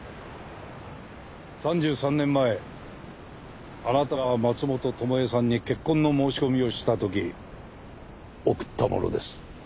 ３３年前あなたが松本友恵さんに結婚の申し込みをしたとき贈ったものです。